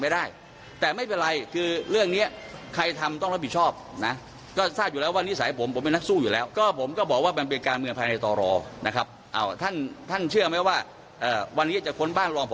ดูอย่างนี้ก่อน